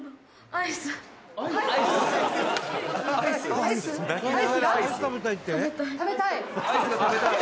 アイスが食べたい？」